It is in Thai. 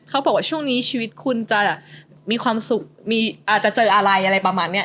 เขาบอกว่าช่วงนี้ชีวิตคุณจะมีความสุขอาจจะเจออะไรอะไรประมาณนี้